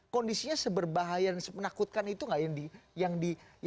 kondisinya seberbahaya dan menakutkan itu nggak yang di